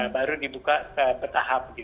baru dibuka bertahap